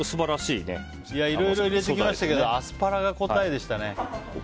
いろいろ入れてきましたけどアスパラが答えでしたね。